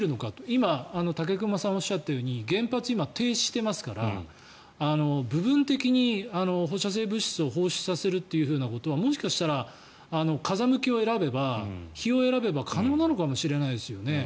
今、武隈さんがおっしゃったように原発は停止していますから部分的に放射性物質を放出させるということはもしかしたら風向きを選べば日を選べば可能なのかもしれないですよね。